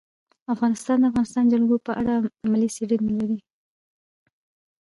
افغانستان د د افغانستان جلکو په اړه علمي څېړنې لري.